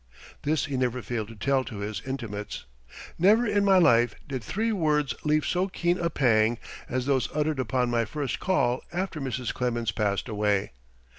This he never failed to tell to his intimates. Never in my life did three words leave so keen a pang as those uttered upon my first call after Mrs. Clemens passed away.